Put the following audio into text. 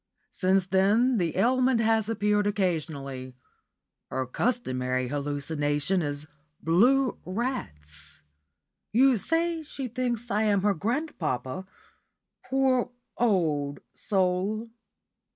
Since then the ailment has appeared occasionally. Her customary hallucination is blue rats. You say she thinks I am her grandpapa! Poor old soul!